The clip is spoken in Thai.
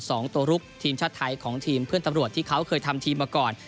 สองตัวลุกทีมชาติไทยของทีมเพื่อนตำรวจที่เขาเคยทำทีมมาก่อน